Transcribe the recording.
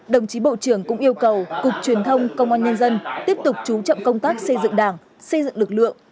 đồng chí bộ trưởng cũng yêu cầu cục truyền thông công an nhân dân tiếp tục chú trọng công tác xây dựng đảng xây dựng lực lượng